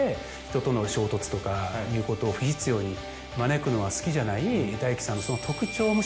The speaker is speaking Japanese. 人との衝突とかいうことを不必要に招くのは好きじゃないＤＡＩＫＩさんの。